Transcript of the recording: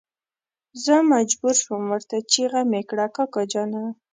زه مجبور شوم ورته چيغه مې کړه کاکا جانه.